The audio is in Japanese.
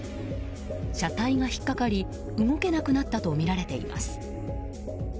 車体が引っかかり動けなくなったとみられています。